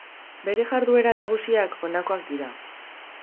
Bere jarduera nagusiak honakoak dira.